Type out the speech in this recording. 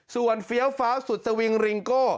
ส่วนเฟี้ยวฟ้าสุดสวิงริงโก้